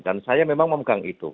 dan saya memang memegang itu